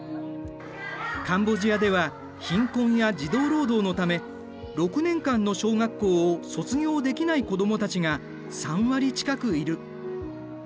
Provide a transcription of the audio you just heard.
カンボジアでは貧困や児童労働のため６年間の小学校を卒業できない子どもたちが３割近くいる。